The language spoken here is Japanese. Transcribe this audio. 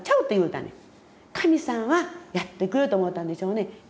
神さんはやってくれると思うたんでしょうね。